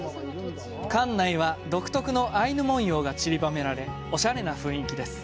館内は独特のアイヌ文様が散りばめられおしゃれな雰囲気です。